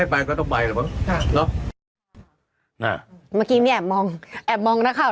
พูดจะไม่เคยพูดอะไรแล้วพูดไปพูดเยอะแล้วไงวันแล้ว